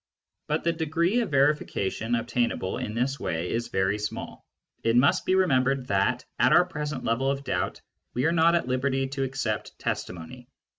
But the degree of verification obtainable in this way is very small. It must be remembered that, at our present level of doubt, we are not at liberty to accept testimony.